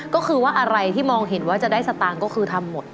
ก็คือว่าอะไรที่มองเห็นว่าจะได้สตางค์ก็คือทำหมด